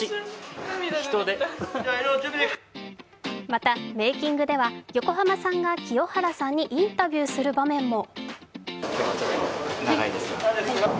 また、メーキングでは横浜さんが清原さんにインタビューする場面も。